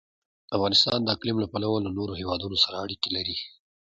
افغانستان د اقلیم له پلوه له نورو هېوادونو سره اړیکې لري.